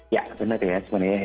ya benar ya sebenarnya